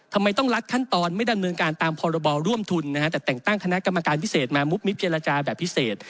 ทำไมต้องลัดขั้นตอนไม่ดำเนินการตามพรบร่วมทุนนะฮะแต่แต่งตั้งคณะกรรมการพิเศษมามุบมิบเจรจาแบบพิเศษ